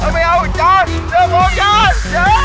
ไม่เอาอีกจ้อนเสื้อพวกฉัน